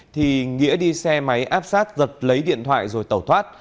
thì nghĩa đi xe máy áp sát giật lấy điện thoại rồi tẩu thoát